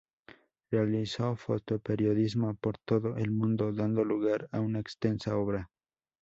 Realizó fotoperiodismo por todo el mundo dando lugar a una extensa obra.